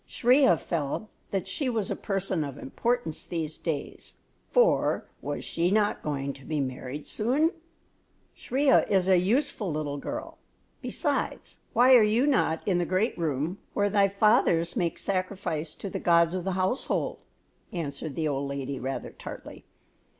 Shriya felt that she was a person of importance these days, for was she not going to be married soon! "Shriya is a useful little girl; besides, why are you not in the great room where thy fathers make sacrifice to the Gods of the Household?" answered the old lady, rather tartly.